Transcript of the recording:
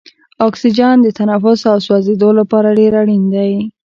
اکسیجن د تنفس او سوځیدو لپاره ډیر اړین دی.